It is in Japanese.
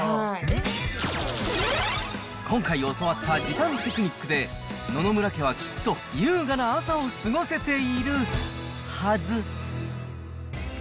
今回教わった時短テクニックで、野々村家はきっと優雅な朝を過ごせているはず。